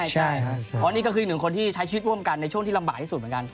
ใช่เพราะนี่ก็คืออีกหนึ่งคนที่ใช้ชีวิตร่วมกันในช่วงที่ลำบากที่สุดเหมือนกัน